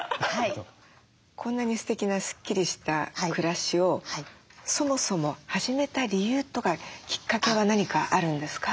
こんなにすてきなスッキリした暮らしをそもそも始めた理由とかきっかけは何かあるんですか？